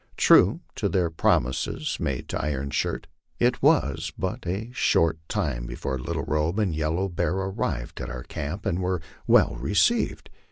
True to their promises made to Iron Shirt, it was but a short time before Little Robe and Yellow Bear arrived at our camp and were well received.